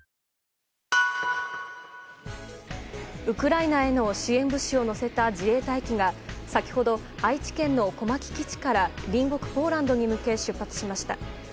ウクライナへの支援物資を載せた自衛隊機が先ほど愛知県の小牧基地から隣国ポーランドに向け出発しました。